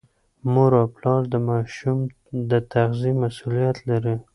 مور او پلار د ماشوم د تغذیې مسؤلیت لري.